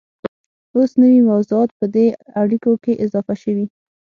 اوس نوي موضوعات په دې اړیکو کې اضافه شوي